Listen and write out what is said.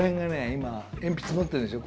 今鉛筆持ってるでしょ？